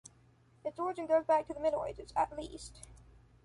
Its origin goes back to the Middle Ages, at least.